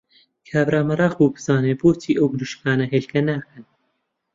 کابرا مەراق بوو بزانێ بۆچی ئەو مریشکانە هێلکە ناکەن!